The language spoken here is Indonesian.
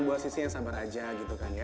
buat sissy yang sabar aja gitu kan ya